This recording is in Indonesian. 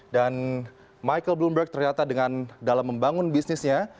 dan michael bloomberg ternyata dengan dalam membangun bisnisnya